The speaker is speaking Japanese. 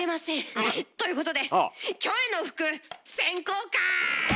あら。ということでキョエの服選考会！